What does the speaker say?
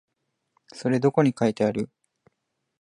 それどこに書いてある？